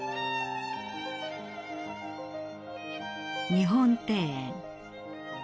日本庭園。